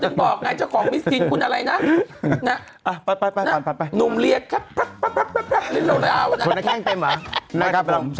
กะทิบอ่ะต่อไปเจ้าของพี่จิ้นกุนอะไรนะไปอ่ะในเมื่อครับปว่าเป็นอาวุธให้เป็นแป่ง